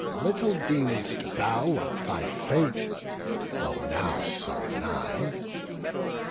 little deem'st thou of thy fate, Though now so nigh!